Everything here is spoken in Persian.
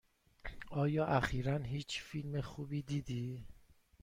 آیا اخیرا هیچ فیلم خوبی دیدی؟